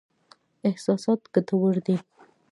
احساسات ګټور دي.